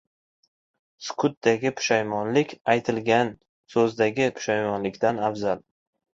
• Sukutdagi pushaymonlik aytilgan so‘zdagi pushaymonlikdan afzal.